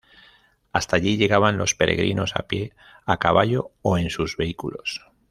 Hasta allí llegaban los peregrinos a pie, a caballo o en sus vehículos.